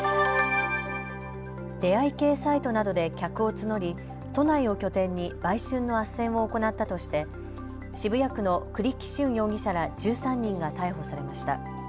出会い系サイトなどで客を募り都内を拠点に売春のあっせんを行ったとして渋谷区の栗木駿容疑者ら１３人が逮捕されました。